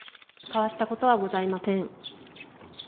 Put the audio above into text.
交わしたことはございません。